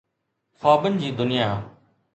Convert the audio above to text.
خوابن جي دنيا.